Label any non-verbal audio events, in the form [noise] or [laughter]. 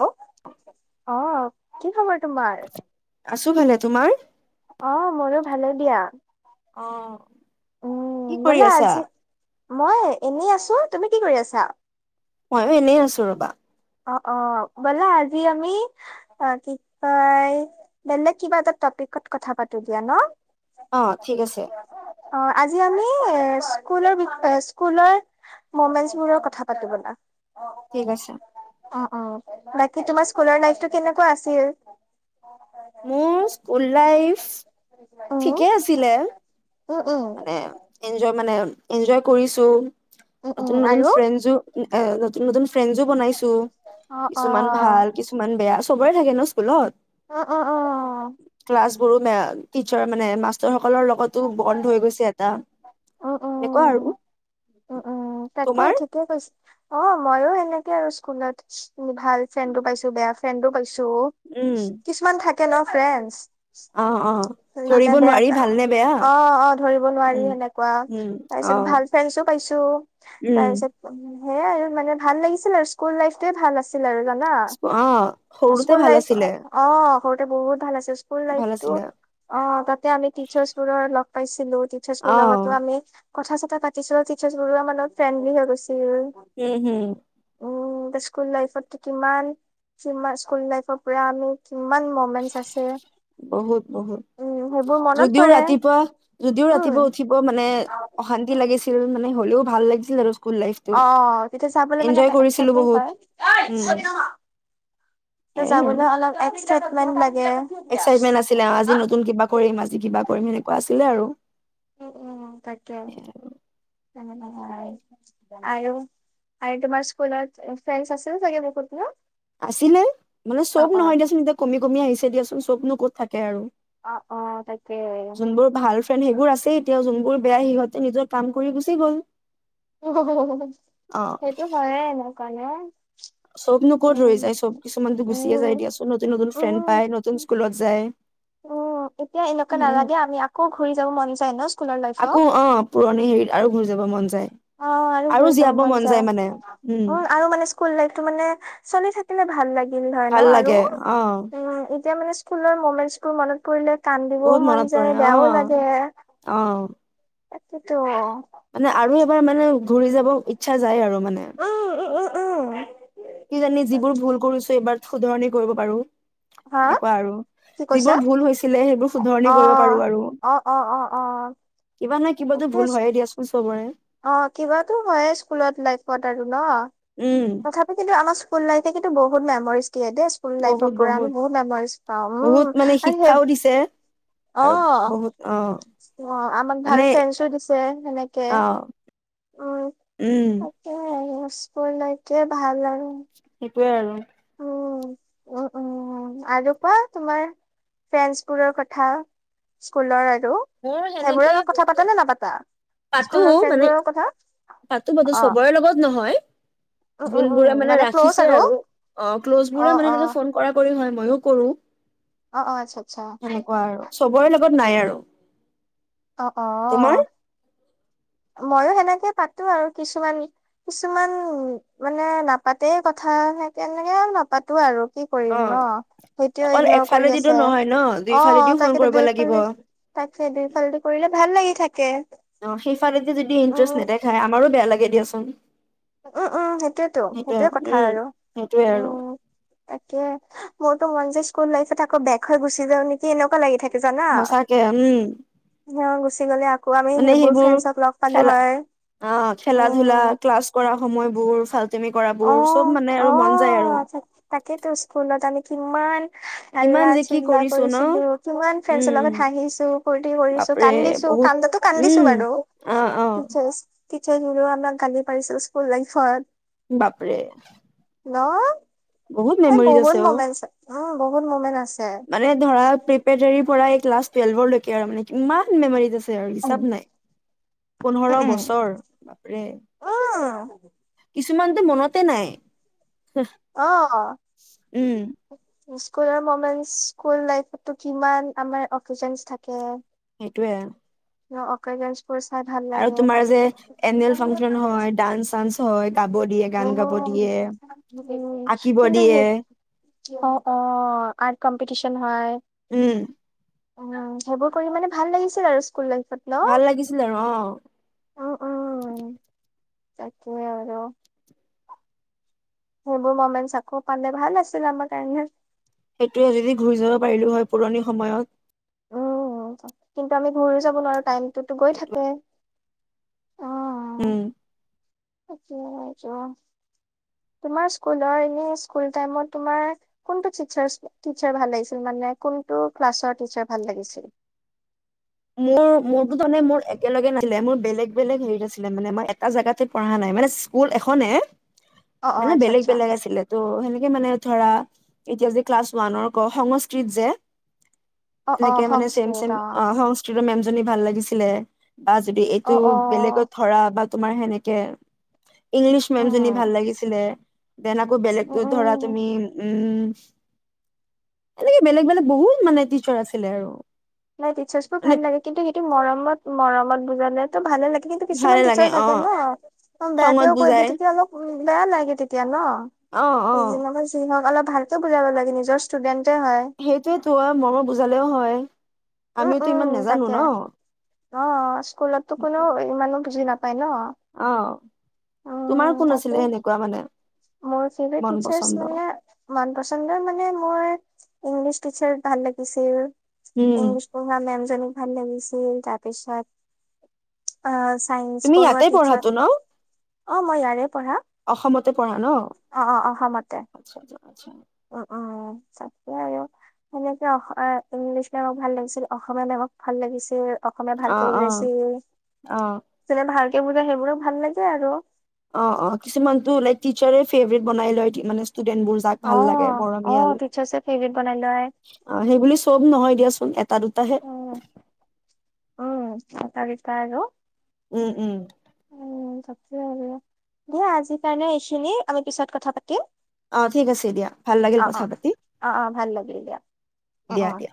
Hello অঁ কি খবৰ? তোমাৰ? আছো ভালে তোমাৰ? অ', মোৰো ভালে দিয়া। অ' কি উম, কৰি ব'লা আছা? আজি মই এনেই আছো তুমি কি কৰি আছা? ময়ো এনেই আছো ৰবা। অ-অ ব'লা আজি আমি, কি কয় বেলেগ কিবা এটা টপিকত কথা পাতো দিয়া ন? অ', ঠিক আছে। অ', আজি আমি স্কুলৰ বি- স্কুলৰ মমেন বোৰৰ কথা পাতো বলা। ঠিক আছে। অ', অ', বাকি তোমাৰ স্কুলৰ ন টো কেনেকুৱা আছিল? মোৰ স্কুল লাইফ উম, ঠিকে আছিলে উম, উম, মানে ইঞ্জয় মানে ইঞ্জয় কৰিছো। উম, উম, নতুন-নতুন আৰু? ফ্ৰেণ্ডচো, আ- নতুন-নতুন ফ্ৰেণ্ডচো বনাইছো, অ', কিছুমান অ', ভাল কিছুমান বেয়া। চবৰে থাকে ন স্কুলত। অ', অ', অ'। গোৰো মে [unintelligible] টিচাৰ মানে মাষ্টৰ সকলৰ লগতো বন্ধ হৈ গৈছে এটা। তেনেকুৱা আৰু। উ তাকে তোমাৰ ঠিকে কৈছে অ', ময়ো সেনেকে আৰু স্কুলত ভাল ফ্ৰেণ্ডো পাইছো, বেয়া ফ্ৰেণ্ডো পাইছো। উম কিছুমান থাকে কে ন ফ্ৰেণ্ডছ। [unintelligible] অ অ ধৰিব নোৱাৰি ভালনে বেয়া অ-অ ধৰিব নোৱাৰি উম সেনেকুৱা উম অ তাৰপিছত ভাল ফ্ৰেণ্ডছো পাইছো। উম তাৰপিছত হেয়াই আৰু মানে ভাল লাগিছিল আৰু স্কুল লাইফটোৱে ভাল আছিল আৰু। জানা অ', সৰুতে স্কুল ভাল লাইফ আছিলে। অ সৰুতে বহুত ভাল আছিল। স্কুল ভাল লাইফটো আছিলে অ', তাতে আমি টিচাৰ্ছ বোৰৰ লগ পাইছিলো টিচাৰ্ছ বোৰৰ লগতো অ'। আমি কথা চথা পাতিছিলো টিচাৰছ বৰুৱা মানত ফ্ৰেণ্ডলি হৈ গৈছে উম হুম। উম, স্কুল লাইফত কিমান স্কুল লাইফৰ পৰা আমি কিমান মমেন্টচ আছে বহুত-বহুত, উম, সেইবোৰ মনত যদিও পৰে। ৰাতিপুৱা যদিও উম, ৰাতিপুৱা উঠিব মানে মানে অশান্তি লাগিছিল মানে হ'লেও ভাল লাগিছিল আৰু। স্কুল লাইফটো। অ, তেতিয়া যাবলৈ মানে এনজয় কৰিছিলো এক্সাইটমেন্ত বহুত, হয়। উম, সেয়াই আৰু। যাবলৈ অলপ [unintelligible] এক্সাইটমেন্ট আছিলে আজি নতুন কিবা কৰিম আজি কিবা কৰিম সেনেকুৱা আছিল। ছিলে আৰু। উ উম তাকে। আৰু, আৰু তোমাৰ স্কুলত ফ্ৰেণ্ডছ আছিল চাগে বহুত ন। আছিলে, মানে চব অ', অ', নহয় দিয়াচোন এতিয়া কমি কমি আহিছে দিয়াচোন। চবনো ক'ত থাকে আৰু। অ', অ', তাকে। যোনবোৰ ভাল সেইবোৰ আছে এতিয়াও, যোনবোৰ বেয়া সিহঁতে নিজৰ কাম কৰি গুচি গ'ল। অ', অ'। সেইটো হয়ে এনে। [unintelligible] চব নো কত ৰৈ যায় চব কিছুমানতো গুচিয়ে যায় উম, দিয়াচোন নতুন নতুন ফ্ৰেণ্ড পায়, উম। নতুন স্কুলত যায়। উম, এতিয়া এনেকুৱা সেয়া নালাগে আমি আকৌ ঘূৰি যাব মন যায়। ন স্কুলৰ লাইফত। আকৌ অ'পুৰণি হেৰিত আৰু ঘূৰি যাব মন যায়। অ', আৰু ঘূৰি চাব মন যায় উম আৰু মানে স্কুল লাইফটো মানে চলি থাকিলে ভাল। ভাল লাগে [unintelligible] অ এতিয়া মানে স্কুলৰ মোমেন্টছবোৰ মনত পৰিলে কান্দিবও বহুত মন মনত যায় পৰে অ বেয়াও লাগে আৰু। অ তাকেতো। মানে আৰু তাৰ মানে ঘূৰি যাব ইচ্ছা যায় আৰু মানে। উ, উ, উ। কিজানি যিবোৰ ভুল কৰিছো এইবাৰ। শুধৰণি কৰিব পাৰো। হা সেনেকুৱা আৰু, কি কৈছা? যিবোৰ ভুল হৈছিলে সেইবোৰ অ'। শুধৰনি কৰিব পাৰো আৰু। অ', অ', অ', অ', কিবা নাই কিবাতো তাকে ভুল হয়ে দিয়াচোন চবৰে। অ' কিবাতো হয়ে স্কুলত লাইফত আৰু ন, উম তথাপি কিন্ত আমাৰ স্কুল লাইফে কিন্ত বহুত মেমৰিজ দেই স্কুল লাইফৰ পৰা আমি বহুত মেমৰিজ পাাম বহুত মানে উম আৰু শিক্ষাও সেইব দিছে অ আৰু বহুত অ অ আমাক মানে ভাল ফ্ৰেণ্ডছো দিছে সেনেকে অ উম ন স্কুল লাইভটোৱে ভাল ল সেইটোৱে আৰু উ উ উম আৰু কোৱা তোমাৰ ফ্ৰেছ বোৰৰ কথা স্কুলৰ। মোৰ সেইবোৰৰ সেনেকে লগত কথা বন্ধু পাতা নে নাপাতা? পাতো স্কুলৰ মানে ফ্ৰেণ্ডবোৰৰ কথা পাতো পাতো অ চবৰে লগত নহয় উম যোন উম উম বোৰে মানে ক্ল'জ ৰাখিছে আৰু অ ক্ল'জ অ বোৰে মানে অ সেনেকে ফোন কৰা কৰি হয়। ময়ো কৰো। অ অ আচ্ছা আচ্ছা সেনেকুৱা আৰু চবৰে লগত নাই আৰু অ, তোমাৰ অ, ময়ো সেনেকে পাতো আৰু কিছুমান কিছুমান মানে নাপাতে কথা সেইকাৰণে তেনেকে নাপাতো আৰু। কি কৰিম অ ন সেইটোও অকল ইগনৰ কৰি একফালেদিতো আছে নহয় ন অ দুইফালেদিও ফোন তাকেটো কৰিব লাগিব দুইফালি তাকে সেই দুইফালদি কৰিলে ভাল লাগে থাকে অ, সেই দুইফালে যদি ইন্টাৰেষ্ট উম নেদেখাই আমাৰো বেয়া লাগে। দিয়াচোন। উম উম সেইটোয়েতো সেইটোয়ে কথা উম আৰু সেইটোয়ে উম আৰু উম মোৰতো মন যে স্কুল লাইফত আকৌ বেক হৈ গুচি যাও নেকি এনেকুৱা লাগি থাকে। জানা সঁচাকে উম [unintelligible] মানে সেইবোৰ ফ্ৰেণ্ডছক লগ পালো খেলা হয় অ খেলা ধূলা ক্লাছ কৰা। সময় বোৰ ভাল অ'অ' তাকেইেতো স্কুলত আমি কি ইমান কিমান হাল্লা যে কি চিল্লা কৰিছো ন কৰিছিলো কিমান ফ্ৰেন্ডছৰ উম লগত হাঁহিছো কূুৰ্তি কৰিছো বাপৰে কান্দিছো বহুত কান্দাতো কান্দিছো উম বাৰু অ অ টিচাৰছ। টিচাৰ্ছ বোৰেও আমাক গালি পাৰিছো স্কুল লাইফত। বাপৰে হেল্ল' বহুত মেমৰিজ আছে অ' উম বহুত মমেণ্ট আছে। মানে ধৰা প্ৰিপ্ৰেটোৰি পৰা ক্লাছ টুৱেলভৰলৈকে আৰু মানে ইমান মেমৰি আছে আৰু উম, হিচাপ নাই পোন্ধৰ বছৰ বাপৰে কিছুমানতো মনতে নাই। আহ। উম স্কুলৰ মমেণ্টচ স্কুল লাইফটো কিমান আমাৰ অকেজনছ থাকে। টোৱে ন অকজেচনচ আৰু তোমাৰ যে এনুৱেল ফাংচন হয় ডান্স চানস হয় গাব দিয়ে গান গাব অ দিয়ে উম, আঁকিব কিন্তু দিয়ে। অ অ আৰ্ট কম্পিটিশন হয়। উম। উ সেইবোৰ কৰি মানে ভাল লাগিছিল আৰু স্কুল লাইফ ভাল লাগিছিল আৰু অ তাকোৱে আৰু। সেইবোৰ মমেনছ চাকৌ পালে ভাল আছিল আমাৰ কাৰণে। সেইটোয়ে যদি ঘূৰি যাব পাৰিলো হয় পুৰণি সময়ত। কিন্তু আমি ঘৰি যাব নোৱাৰো টাইমটোতো গৈ থাকে অ। উম। তোমাৰ স্কুলৰ এনে স্কুল টাইমত তোমাৰ কোনটো টিচাৰ টিচাৰ ভাল লাগিচিল মানে কোনটো ক্লাছৰ টিাৰ ভাললাগিছিল। মোৰ মোৰতো তানে মোৰ একেলগে নাছিলে মোৰ বেলেগ বেলেগ হেৰিত আছিলে মানে মই এটা জেগাতে পঢ়া নাই মানে স্কুল এখনে অ', অ', মানে আচ্ছা, বেলেগ আচ্ছা। বেলেগ আছিলে তো সেনে কে মানে ধৰা এতিয়া যে ক্লাছ ওৱানৰ ক সংস্কৃত যে অ', এনেকে অ', মানে চেম সংস্কৃত চেম অ হাউচ জনী ভাল লাগিছিলে। বা যদি এইটো অ', অ', বেলেগত ধৰা বা তোমাৰ সেনেকে ইংলিছ মেম জনী উম। ভাল লাগিছিলে। দেন আকৌ বেলেগ উম ধৰা উম তুমি উম এনেকে বেলেগ বেলেগ বহুত মানে টিচাৰ আছিলে আৰু। নাই টিচাৰ্ছ মানে ভাল লাগে কিন্তু সেইটো মৰমত মৰমত বুজালে তো ভালে লাগে। কিন্তু ভালে কিছুমান লাগে টিচাৰ অ থাকে ন খঙত বেয়াকেও কৈ দি বুজাই তেতিয়া অলপ উ বেয়া লাগে তেতিয়া অ অ ন। যিমানে যি হক অলপ ভালকে বুজাব লাগে নিজৰ ষ্টুডেণ্ট সেইটোয়ে তোৰ মৰমৰ বুজালেও হয়। উম আমিওতো ইমান উম নাজানো ন। তাকে অ, স্কুলতো কোনো ইমানো বুজি না অহ উম তোমাৰ কোন তাকে আছিলে সেনেকুৱা মানে। মোৰ ফেভাৰেত মন তিটচাৰ পচন্দ মানে মন পছন্দৰ মানে। মোৰ ইংলিছ টিচাৰ ভাল লাগিছিল। উম ইংলিছ পঢ়োৱা মেম জ ভাল লাগিছিল তাৰপিচত তুমি ইয়াতেই পঢ়াতো ন। অ মই ইয়াৰে পঢ়া। অসমত, অ-অ অসমতে। আচ্ছা আচ্ছা আচ্ছা, উ-উ তে আৰু সেনেকে অ ইংলিছ মেমক ভাল লাগিছিল, অসমীয়া মেমক ভাল লাগিছিল। অসমীয়া অ ভালকৈ অ ওলাইছিল অ চ ভাল। কেবোৰক সেইবোৰক ভাল লাগে আৰু। অ-অ কিছুমানতটো লাইক টিচাৰক ফেভৰেট বনাই লয় মানে। ষ্টুডেন্ট বোৰ যাক অ ভাল লাগে অ মৰমীয়াল টিচাৰ্ছে ফেভৰেট বনাই লয় অ সেইবুলি চব নহয় দিয়াচোন এটা দুটাহে। মতাগিতা আৰু উম-উম। উম দিয়া আজিৰ কাৰণে এইখিনি আমি পিছত কথা পাতিম। অ ঠিক আছে দিয়া ভাল লাগিল অ অ কথা পাতি অ অ ভাল লাগিল দিয়া অ অ দিয়া-দিয়া।